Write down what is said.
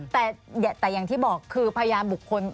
แต่อย่างที่บอกคือพยานบุคคล